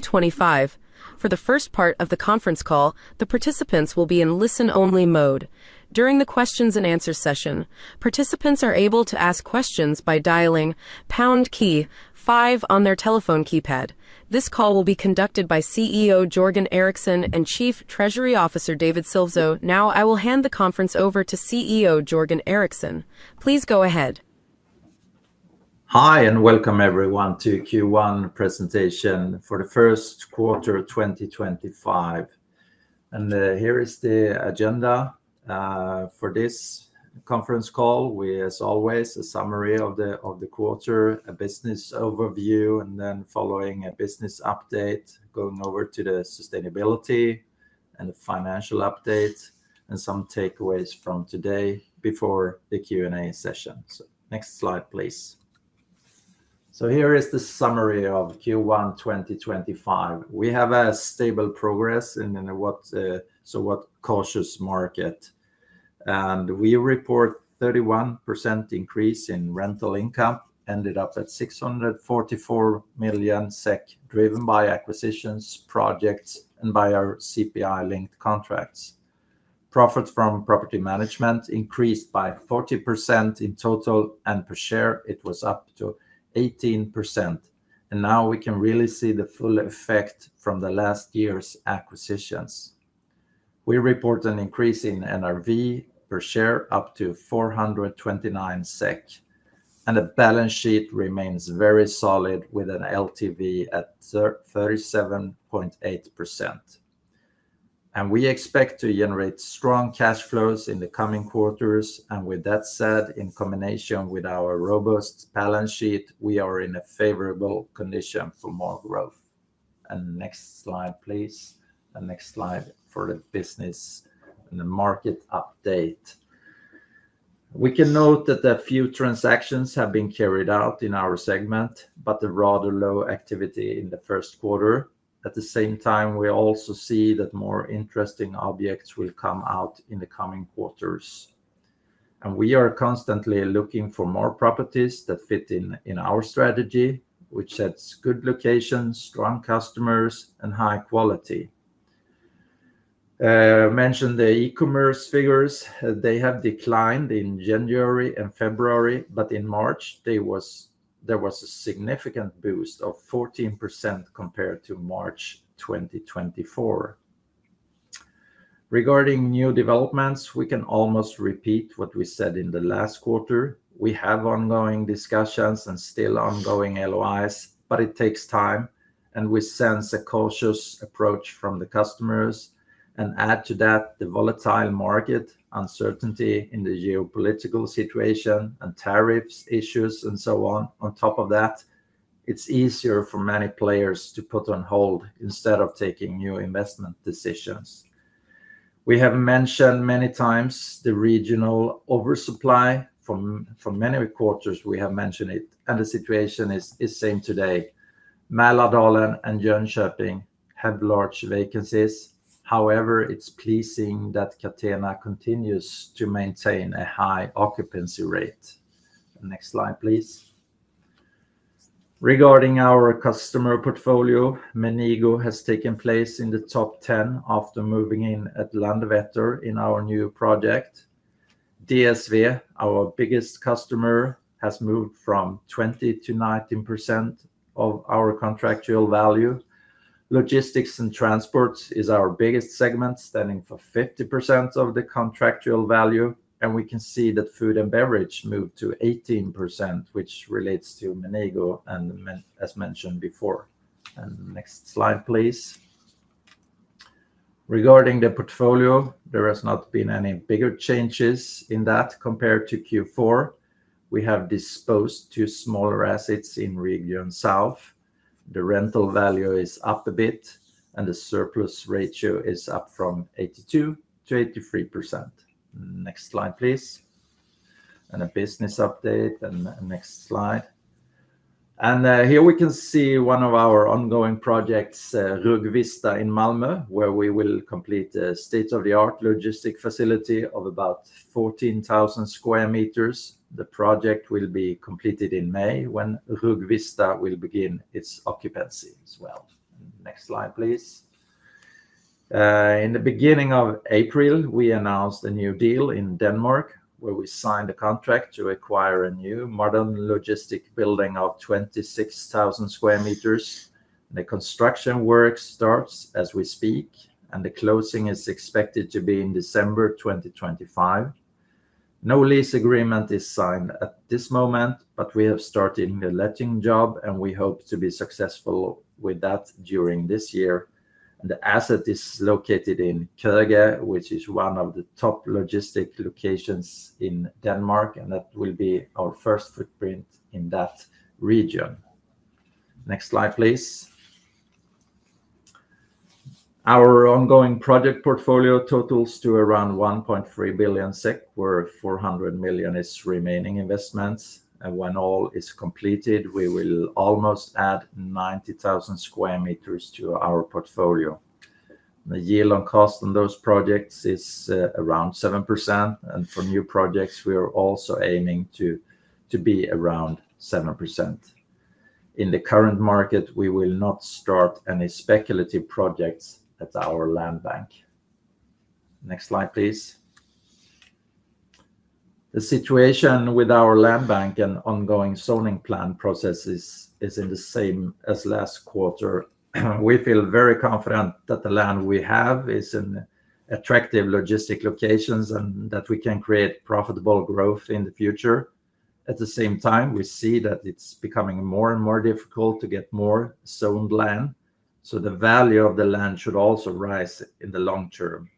2025. For the first part of the conference call, the participants will be in listen-only mode. During the Q&A session, participants are able to ask questions by dialing pound key five on their telephone keypad. This call will be conducted by CEO Jörgen Eriksson and Chief Treasury Officer David Silvesjö. Now, I will hand the conference over to CEO Jörgen Eriksson. Please go ahead. Hi and welcome everyone to Q1 presentation for the first quarter 2025. Here is the agenda for this conference call, as always: a summary of the quarter, a business overview, and then following a business update, going over to the sustainability and the financial update, and some takeaways from today before the Q&A session. Next slide, please. Here is the summary of Q1 2025. We have a stable progress in a what's a somewhat cautious market. We report a 31% increase in rental income, ended up at 644 million SEK, driven by acquisitions, projects, and by our CPI-linked contracts. Profits from property management increased by 40% in total, and per share it was up to 18%. Now we can really see the full effect from the last year's acquisitions. We report an increase in NRV per share up to 429 SEK, and the balance sheet remains very solid with an LTV at 37.8%. We expect to generate strong cash flows in the coming quarters. In combination with our robust balance sheet, we are in a favorable condition for more growth. Next slide, please. Next slide for the business and the market update. We can note that a few transactions have been carried out in our segment, but a rather low activity in the first quarter. At the same time, we also see that more interesting objects will come out in the coming quarters. We are constantly looking for more properties that fit in our strategy, which sets good locations, strong customers, and high quality. I mentioned the e-commerce figures. They have declined in January and February, but in March, there was a significant boost of 14% compared to March 2024. Regarding new developments, we can almost repeat what we said in the last quarter. We have ongoing discussions and still ongoing LOIs, but it takes time, and we sense a cautious approach from the customers. Add to that the volatile market, uncertainty in the geopolitical situation, and tariffs issues, and so on. On top of that, it is easier for many players to put on hold instead of taking new investment decisions. We have mentioned many times the regional oversupply. For many quarters, we have mentioned it, and the situation is the same today. Mälardalen and Jönköping have large vacancies. However, it is pleasing that Catena continues to maintain a high occupancy rate. Next slide, please. Regarding our customer portfolio, Menigo has taken place in the top 10 after moving in at Landvetter in our new project. DSV, our biggest customer, has moved from 20%-19% of our contractual value. Logistics and transport is our biggest segment, standing for 50% of the contractual value. We can see that food and beverage moved to 18%, which relates to Menigo, as mentioned before. Next slide, please. Regarding the portfolio, there has not been any bigger changes in that compared to Q4. We have disposed of two smaller assets in Region South. The rental value is up a bit, and the surplus ratio is up from 82%-83%. Next slide, please. A business update. Next slide. Here we can see one of our ongoing projects, Rugvista in Malmö, where we will complete a state-of-the-art logistic facility of about 14,000 sq m. The project will be completed in May when Rugvista will begin its occupancy as well. Next slide, please. In the beginning of April, we announced a new deal in Denmark, where we signed a contract to acquire a new modern logistic building of 26,000 sq m. The construction work starts as we speak, and the closing is expected to be in December 2025. No lease agreement is signed at this moment, but we have started the letting job, and we hope to be successful with that during this year. The asset is located in Køge, which is one of the top logistic locations in Denmark, and that will be our first footprint in that region. Next slide, please. Our ongoing project portfolio totals to around 1.3 billion SEK, where 400 million is remaining investments. When all is completed, we will almost add 90,000 sq m to our portfolio. The yield on cost on those projects is around 7%, and for new projects, we are also aiming to be around 7%. In the current market, we will not start any speculative projects at our land bank. Next slide, please. The situation with our land bank and ongoing zoning plan processes is the same as last quarter. We feel very confident that the land we have is in attractive logistic locations and that we can create profitable growth in the future. At the same time, we see that it is becoming more and more difficult to get more zoned land, so the value of the land should also rise in the long term.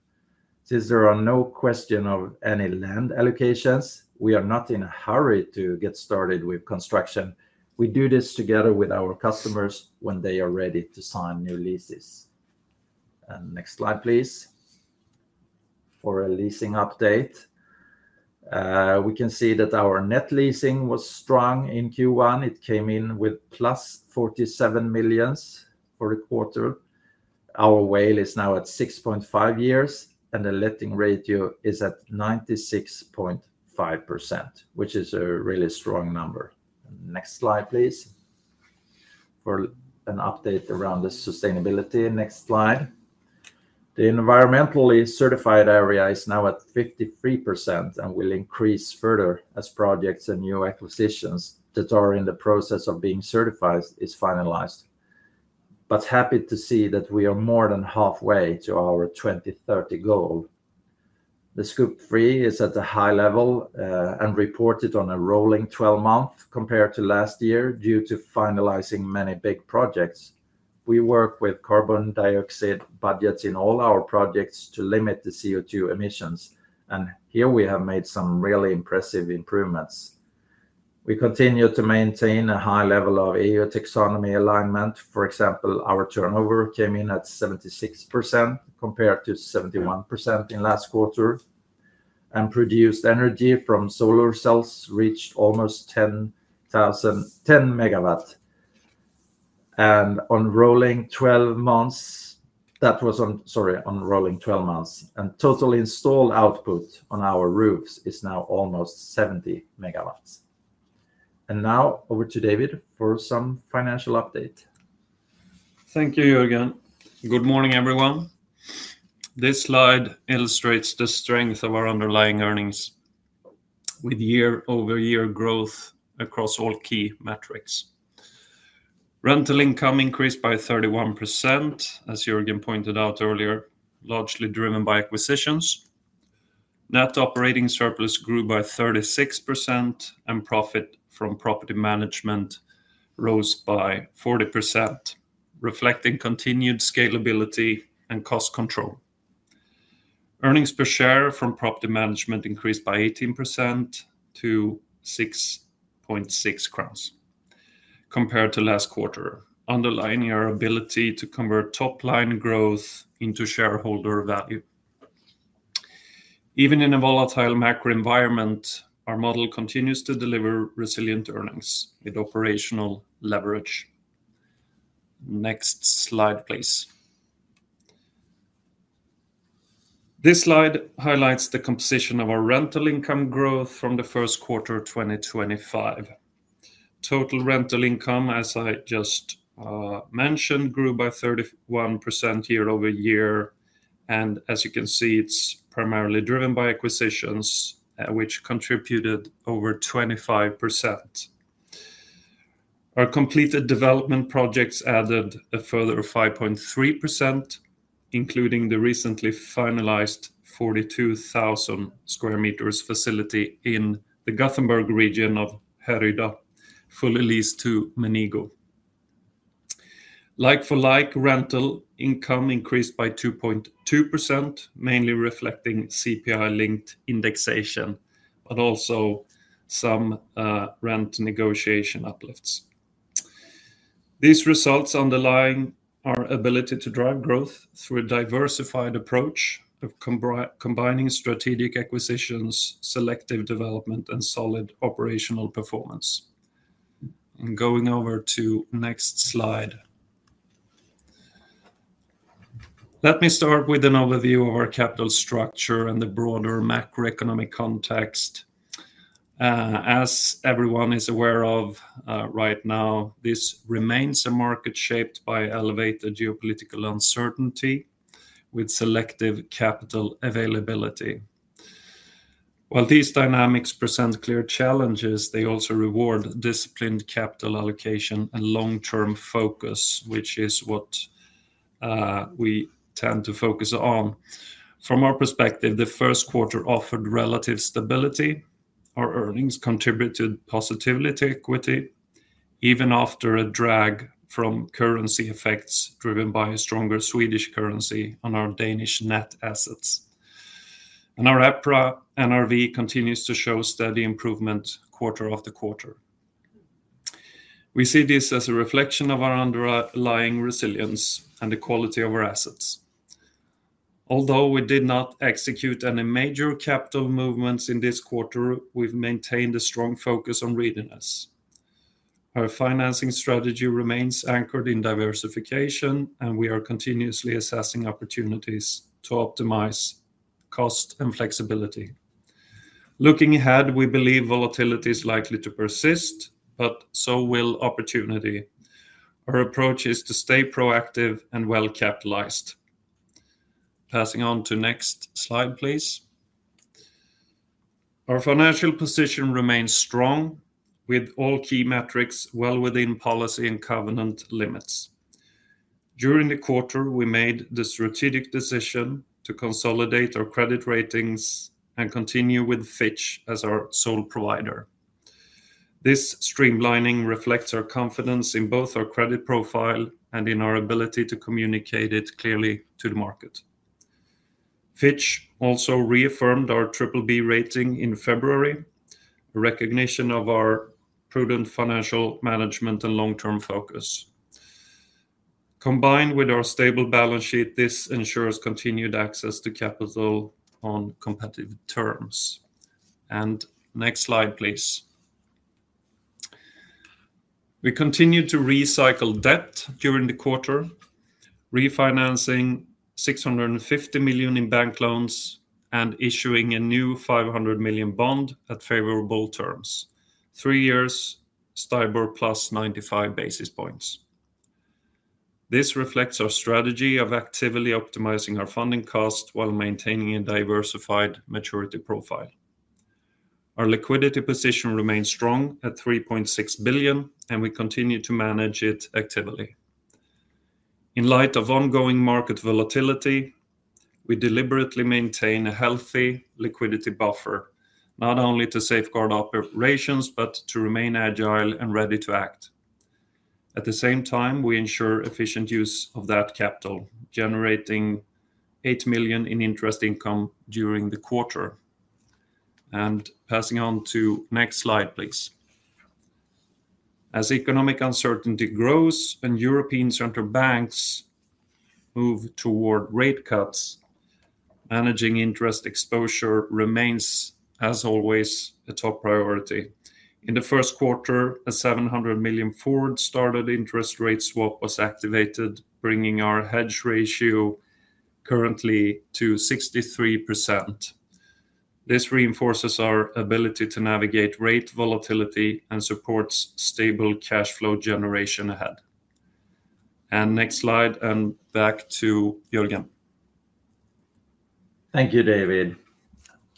Since there are no questions of any land allocations, we are not in a hurry to get started with construction. We do this together with our customers when they are ready to sign new leases. Next slide, please. For a leasing update, we can see that our net leasing was strong in Q1. It came in with plus 47 million for the quarter. Our WAULT is now at 6.5 years, and the letting ratio is at 96.5%, which is a really strong number. Next slide, please. For an update around the sustainability. Next slide. The environmentally certified area is now at 53% and will increase further as projects and new acquisitions that are in the process of being certified are finalized. I am happy to see that we are more than halfway to our 2030 goal. The Scope 3 is at a high level and reported on a rolling 12-month compared to last year due to finalizing many big projects. We work with carbon dioxide budgets in all our projects to limit the CO2 emissions, and here we have made some really impressive improvements. We continue to maintain a high level of EU taxonomy alignment. For example, our turnover came in at 76% compared to 71% in last quarter, and produced energy from solar cells reached almost 10 MW. On rolling 12 months, that was, sorry, on rolling 12 months, and total installed output on our roofs is now almost 70 MW. Now over to David for some financial update. Thank you, Jörgen. Good morning, everyone. This slide illustrates the strength of our underlying earnings with year-over-year growth across all key metrics. Rental income increased by 31%, as Jörgen pointed out earlier, largely driven by acquisitions. Net operating surplus grew by 36%, and profit from property management rose by 40%, reflecting continued scalability and cost control. Earnings per share from property management increased by 18% to 6.6 crowns compared to last quarter, underlining our ability to convert top-line growth into shareholder value. Even in a volatile macro environment, our model continues to deliver resilient earnings with operational leverage. Next slide, please. This slide highlights the composition of our rental income growth from the first quarter of 2025. Total rental income, as I just mentioned, grew by 31% year-over-year, and as you can see, it's primarily driven by acquisitions, which contributed over 25%. Our completed development projects added a further 5.3%, including the recently finalized 42,000 sq m facility in the Gothenburg region of Härryda, fully leased to Menigo. Like-for-like rental income increased by 2.2%, mainly reflecting CPI-linked indexation, but also some rent negotiation uplifts. These results underline our ability to drive growth through a diversified approach of combining strategic acquisitions, selective development, and solid operational performance. Let me start with an overview of our capital structure and the broader macroeconomic context. As everyone is aware of right now, this remains a market shaped by elevated geopolitical uncertainty with selective capital availability. While these dynamics present clear challenges, they also reward disciplined capital allocation and long-term focus, which is what we tend to focus on. From our perspective, the first quarter offered relative stability. Our earnings contributed positively to equity, even after a drag from currency effects driven by a stronger Swedish currency on our Danish net assets. Our EPRA NRV continues to show steady improvement quarter after quarter. We see this as a reflection of our underlying resilience and the quality of our assets. Although we did not execute any major capital movements in this quarter, we've maintained a strong focus on readiness. Our financing strategy remains anchored in diversification, and we are continuously assessing opportunities to optimize cost and flexibility. Looking ahead, we believe volatility is likely to persist, but so will opportunity. Our approach is to stay proactive and well-capitalized. Passing on to next slide, please. Our financial position remains strong, with all key metrics well within policy and covenant limits. During the quarter, we made the strategic decision to consolidate our credit ratings and continue with Fitch as our sole provider. This streamlining reflects our confidence in both our credit profile and in our ability to communicate it clearly to the market. Fitch also reaffirmed our BBB rating in February, a recognition of our prudent financial management and long-term focus. Combined with our stable balance sheet, this ensures continued access to capital on competitive terms. Next slide, please. We continue to recycle debt during the quarter, refinancing 650 million in bank loans and issuing a new 500 million bond at favorable terms, three years, STIBOR plus 95 basis points. This reflects our strategy of actively optimizing our funding costs while maintaining a diversified maturity profile. Our liquidity position remains strong at 3.6 billion, and we continue to manage it actively. In light of ongoing market volatility, we deliberately maintain a healthy liquidity buffer, not only to safeguard operations, but to remain agile and ready to act. At the same time, we ensure efficient use of that capital, generating 8 million in interest income during the quarter. Passing on to next slide, please. As economic uncertainty grows and European central banks move toward rate cuts, managing interest exposure remains, as always, a top priority. In the first quarter, a 700 million forward started interest rate swap was activated, bringing our hedge ratio currently to 63%. This reinforces our ability to navigate rate volatility and supports stable cash flow generation ahead. Next slide, and back to Jörgen. Thank you, David.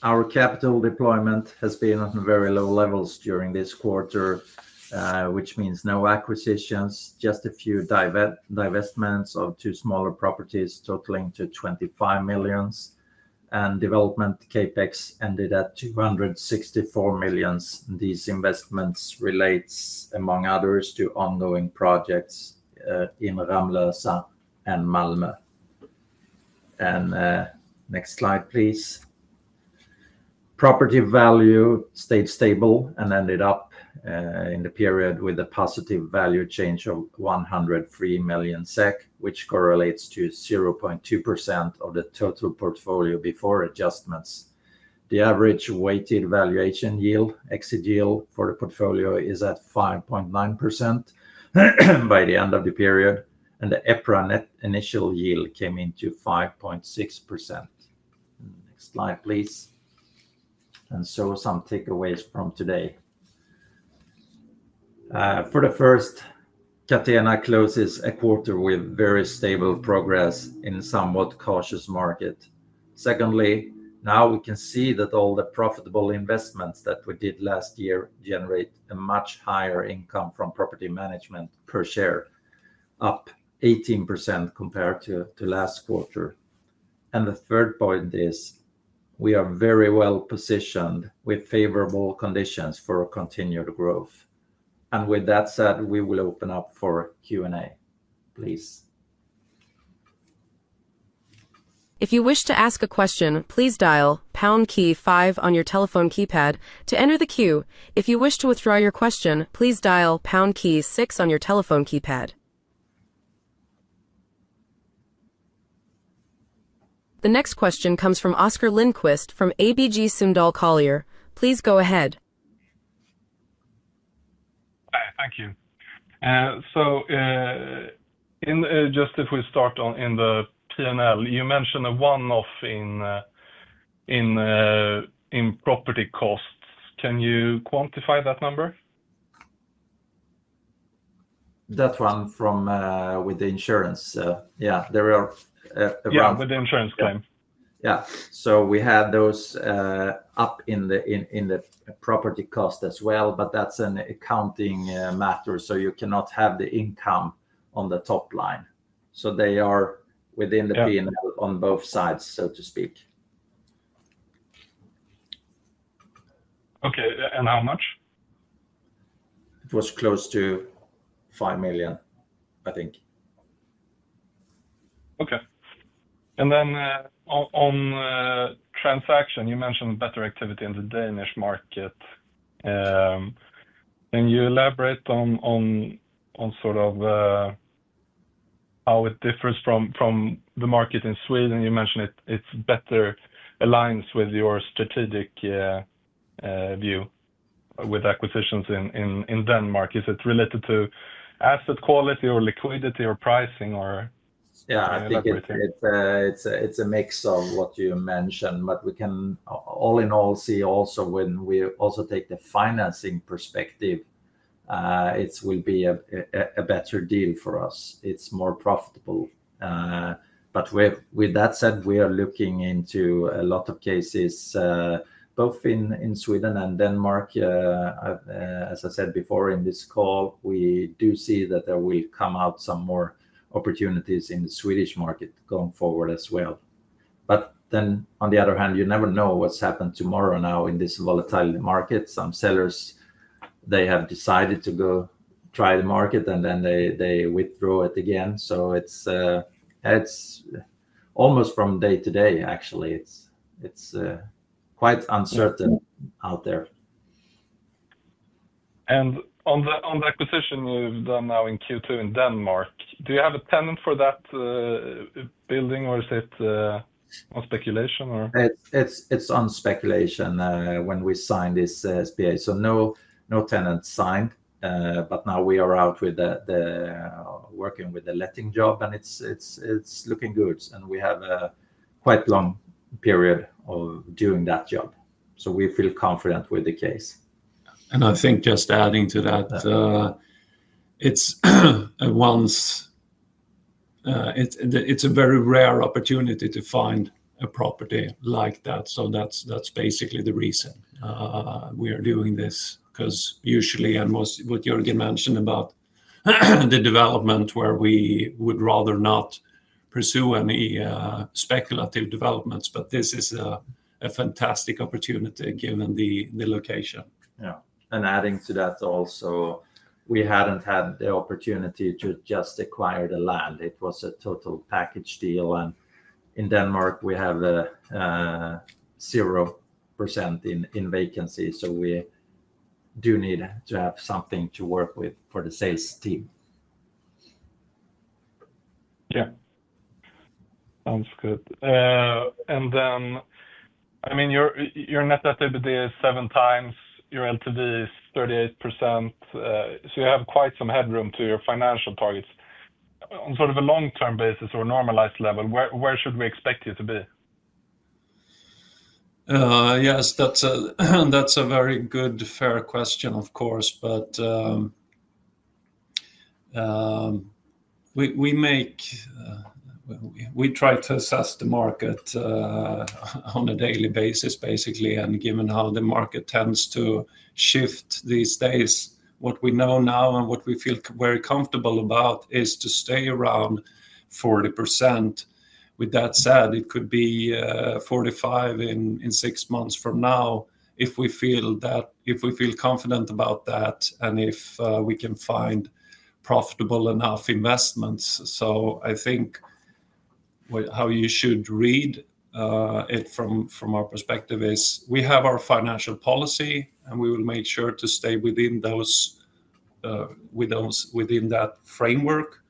Our capital deployment has been at very low levels during this quarter, which means no acquisitions, just a few divestments of two smaller properties totaling to 25 million, and development capex ended at 264 million. These investments relate, among others, to ongoing projects in Ramlösa and Malmö. Next slide, please. Property value stayed stable and ended up in the period with a positive value change of 103 million SEK, which correlates to 0.2% of the total portfolio before adjustments. The average weighted valuation yield, exit yield for the portfolio, is at 5.9% by the end of the period, and the EPRA net initial yield came in to 5.6%. Next slide, please. Some takeaways from today. For the first, Catena closes a quarter with very stable progress in a somewhat cautious market. Secondly, now we can see that all the profitable investments that we did last year generate a much higher income from property management per share, up 18% compared to last quarter. The third point is we are very well positioned with favorable conditions for continued growth. With that said, we will open up for Q&A, please. If you wish to ask a question, please dial pound key five on your telephone keypad to enter the queue. If you wish to withdraw your question, please dial pound key six on your telephone keypad. The next question comes from Oscar Lindquist from ABG Sundal Collier. Please go ahead. Thank you. If we start on in the P&L, you mentioned a one-off in property costs. Can you quantify that number? That one from with the insurance. Yeah, there are around. Yeah, with the insurance claim. Yeah. We had those up in the property cost as well, but that's an accounting matter, so you cannot have the income on the top line. They are within the P&L on both sides, so to speak. Okay. How much? It was close to 5 million, I think. Okay. On transaction, you mentioned better activity in the Danish market. Can you elaborate on sort of how it differs from the market in Sweden? You mentioned it better aligns with your strategic view with acquisitions in Denmark. Is it related to asset quality or liquidity or pricing or everything? Yeah, I think it's a mix of what you mentioned, but we can all in all see also when we also take the financing perspective, it will be a better deal for us. It's more profitable. With that said, we are looking into a lot of cases, both in Sweden and Denmark. As I said before in this call, we do see that there will come out some more opportunities in the Swedish market going forward as well. On the other hand, you never know what's happened tomorrow now in this volatile market. Some sellers, they have decided to go try the market, and then they withdraw it again. It's almost from day to day, actually. It's quite uncertain out there. On the acquisition you've done now in Q2 in Denmark, do you have a tenant for that building, or is it on speculation, or? It's on speculation when we signed this SPA. No tenant signed, but now we are out with the working with the letting job, and it's looking good. We have a quite long period of doing that job. We feel confident with the case. I think just adding to that, it's a very rare opportunity to find a property like that. That's basically the reason we are doing this, because usually, and what Jörgen mentioned about the development, we would rather not pursue any speculative developments, but this is a fantastic opportunity given the location. Yeah. Adding to that also, we hadn't had the opportunity to just acquire the land. It was a total package deal. In Denmark, we have 0% in vacancy. We do need to have something to work with for the sales team. Yeah. Sounds good. I mean, your net LTV is seven times, your LTV is 38%. You have quite some headroom to your financial targets. On sort of a long-term basis or normalized level, where should we expect you to be? Yes, that's a very good, fair question, of course. We try to assess the market on a daily basis, basically. Given how the market tends to shift these days, what we know now and what we feel very comfortable about is to stay around 40%. With that said, it could be 45% in six months from now if we feel that, if we feel confident about that, and if we can find profitable enough investments. I think how you should read it from our perspective is we have our financial policy, and we will make sure to stay within that framework.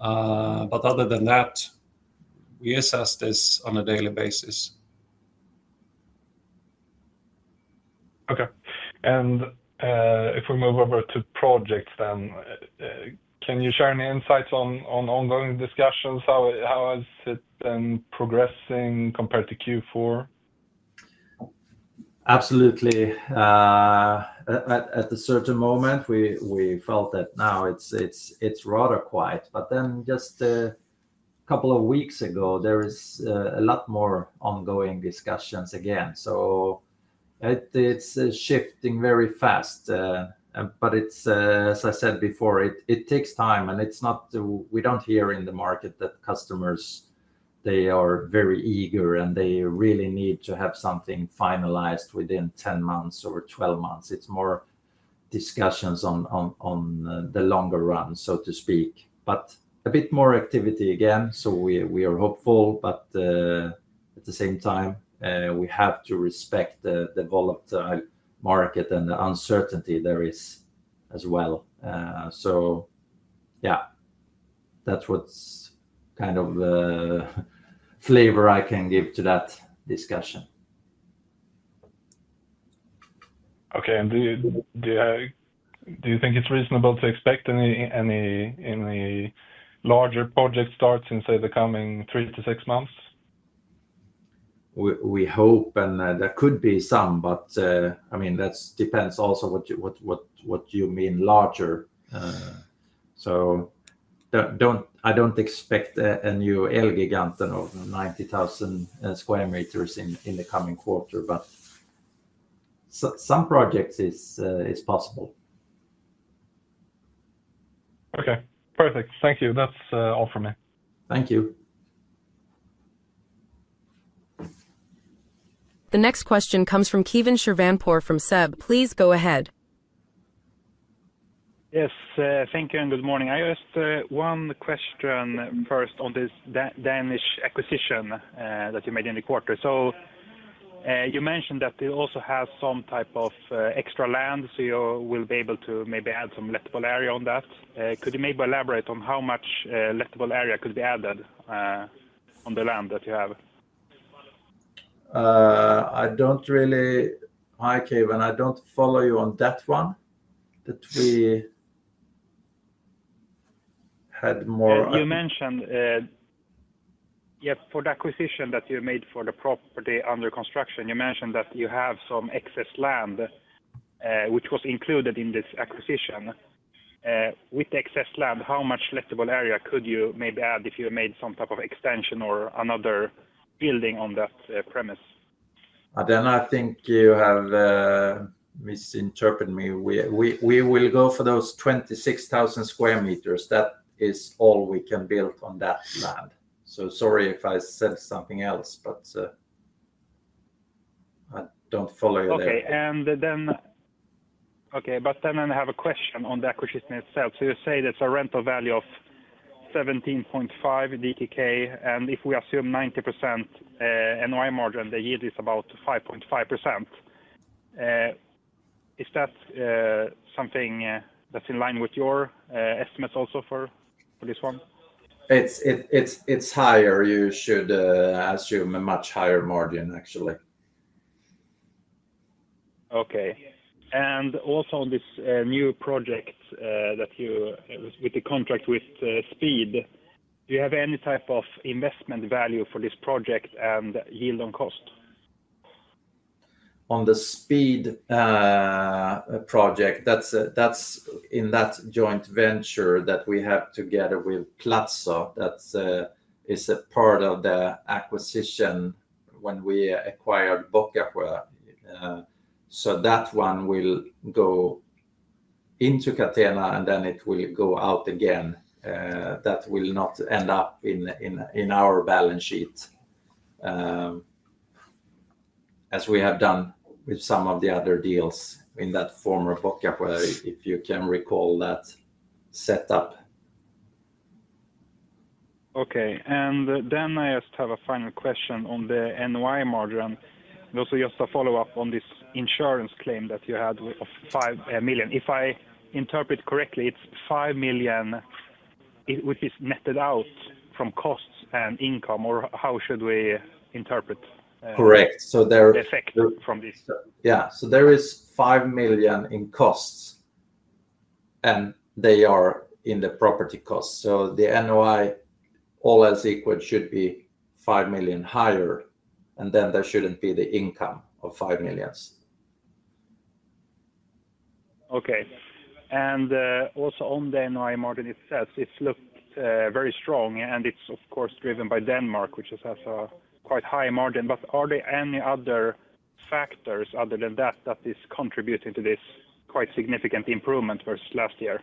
Other than that, we assess this on a daily basis. Okay. If we move over to projects then, can you share any insights on ongoing discussions? How is it progressing compared to Q4? Absolutely. At a certain moment, we felt that now it's rather quiet. Then just a couple of weeks ago, there is a lot more ongoing discussions again. It is shifting very fast. As I said before, it takes time. We do not hear in the market that customers are very eager, and they really need to have something finalized within 10 months or 12 months. It is more discussions on the longer run, so to speak. A bit more activity again. We are hopeful. At the same time, we have to respect the volatile market and the uncertainty there is as well. That is the kind of flavor I can give to that discussion. Okay. Do you think it's reasonable to expect any larger project starts in, say, the coming three to six months? We hope, and there could be some, but I mean, that depends also what you mean larger. I don't expect a new Elgiganten of 90,000 sq m in the coming quarter, but some projects is possible. Okay. Perfect. Thank you. That's all from me. Thank you. The next question comes from Keivan Shirvanpour from SEB. Please go ahead. Yes. Thank you and good morning. I asked one question first on this Danish acquisition that you made in the quarter. You mentioned that you also have some type of extra land, so you will be able to maybe add some lettable area on that. Could you maybe elaborate on how much lettable area could be added on the land that you have? I don't really follow you on that one, that we had more. You mentioned, yes, for the acquisition that you made for the property under construction, you mentioned that you have some excess land, which was included in this acquisition. With the excess land, how much lettable area could you maybe add if you made some type of extension or another building on that premise? I think you have misinterpreted me. We will go for those 26,000 sq m. That is all we can build on that land. Sorry if I said something else, but I do not follow you there. Okay. Okay. I have a question on the acquisition itself. You say that is a rental value of 17.5. If we assume 90% NOI margin, the yield is about 5.5%. Is that something that is in line with your estimates also for this one? It's higher. You should assume a much higher margin, actually. Okay. Also on this new project that you with the contract with Speed, do you have any type of investment value for this project and yield on cost? On the Speed project, that's in that joint venture that we have together with Platzer, that is a part of the acquisition when we acquired Bockasjö. That one will go into Catena, and then it will go out again. That will not end up in our balance sheet, as we have done with some of the other deals in that former Bockasjö, if you can recall that setup. Okay. I just have a final question on the NOI margin. Also, just a follow-up on this insurance claim that you had of 5 million. If I interpret correctly, it is 5 million which is netted out from costs and income, or how should we interpret the effect from this? Yeah. There is 5 million in costs, and they are in the property costs. The NOI, all else equal, should be 5 million higher, and then there should not be the income of 5 million. Okay. Also on the NOI margin, it says it looked very strong, and it's, of course, driven by Denmark, which has a quite high margin. Are there any other factors other than that that is contributing to this quite significant improvement versus last year?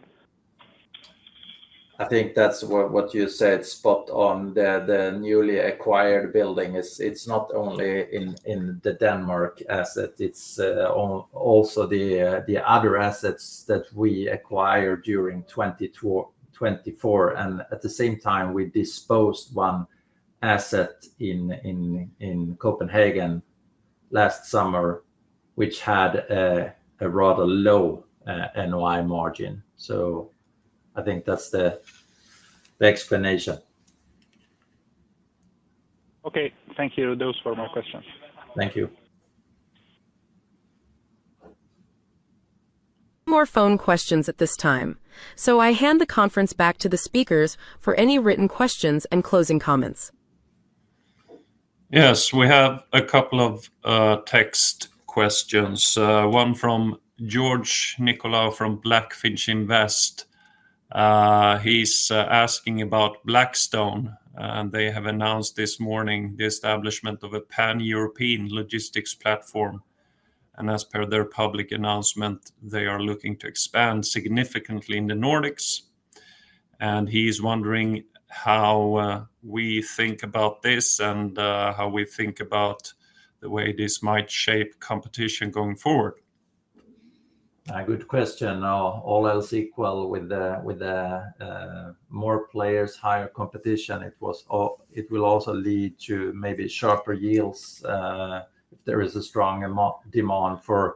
I think that's what you said, spot on. The newly acquired building, it's not only in the Denmark asset. It's also the other assets that we acquired during 2024. At the same time, we disposed of one asset in Copenhagen last summer, which had a rather low NOI margin. I think that's the explanation. Okay. Thank you, those were my questions. Thank you. More phone questions at this time. I hand the conference back to the speakers for any written questions and closing comments. Yes. We have a couple of text questions. One from George Nikolaou from Blackfinch Invest. He's asking about Blackstone. They have announced this morning the establishment of a pan-European logistics platform. As per their public announcement, they are looking to expand significantly in the Nordics. He's wondering how we think about this and how we think about the way this might shape competition going forward. Good question. All else equal with more players, higher competition, it will also lead to maybe sharper yields if there is a strong demand for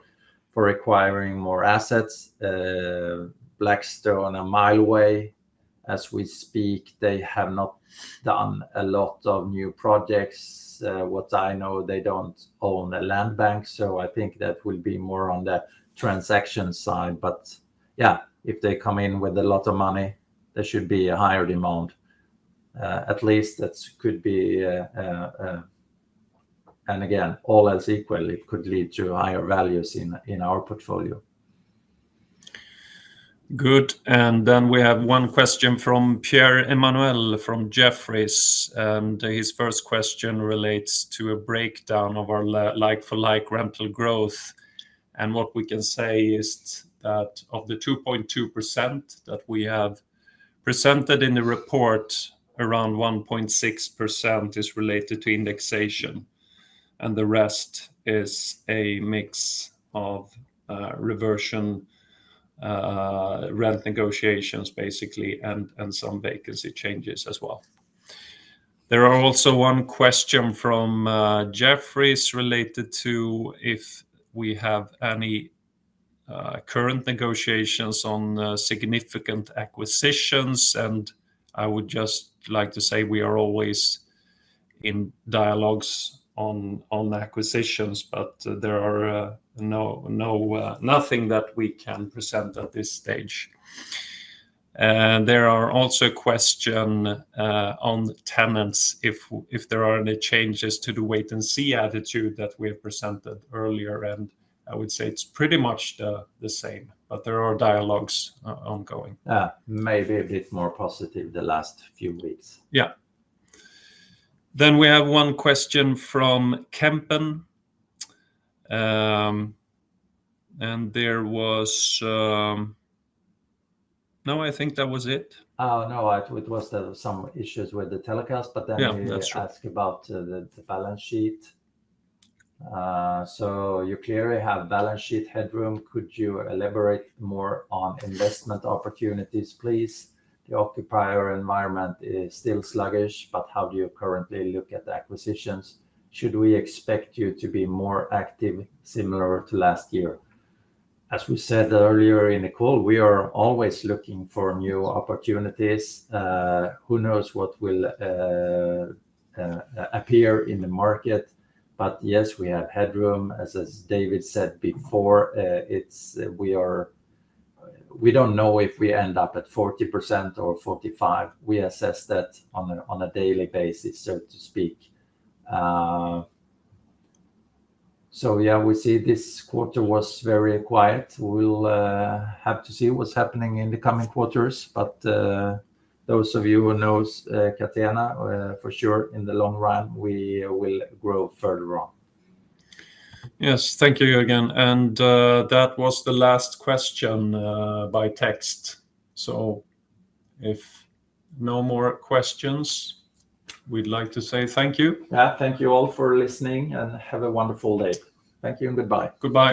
acquiring more assets. Blackstone and Mileway, as we speak, they have not done a lot of new projects. What I know, they do not own a land bank. I think that will be more on the transaction side. Yeah, if they come in with a lot of money, there should be a higher demand. At least that could be, and again, all else equal, it could lead to higher values in our portfolio. Good. There is one question from Pierre-Emmanuel from Jefferies. His first question relates to a breakdown of our like-for-like rental growth. What we can say is that of the 2.2% that we have presented in the report, around 1.6% is related to indexation. The rest is a mix of reversion rent negotiations, basically, and some vacancy changes as well. There is also one question from Jefferies related to if we have any current negotiations on significant acquisitions. I would just like to say we are always in dialogues on acquisitions, but there is nothing that we can present at this stage. There is also a question on tenants, if there are any changes to the wait-and-see attitude that we have presented earlier. I would say it is pretty much the same, but there are dialogues ongoing. Maybe a bit more positive the last few weeks. Yeah. We have one question from Kempen. There was no, I think that was it. Oh, no. It was some issues with the telecast, but then you asked about the balance sheet. You clearly have balance sheet headroom. Could you elaborate more on investment opportunities, please? The occupier environment is still sluggish, but how do you currently look at acquisitions? Should we expect you to be more active, similar to last year? As we said earlier in the call, we are always looking for new opportunities. Who knows what will appear in the market? Yes, we have headroom. As David said before, we do not know if we end up at 40% or 45%. We assess that on a daily basis, so to speak. This quarter was very quiet. We will have to see what is happening in the coming quarters. Those of you who know Catena, for sure, in the long run, we will grow further on. Yes. Thank you, Jörgen. That was the last question by text. If no more questions, we'd like to say thank you. Yeah. Thank you all for listening and have a wonderful day. Thank you and goodbye. Goodbye.